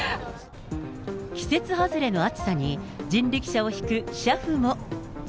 季節外れの暑さに人力車を引く車夫も。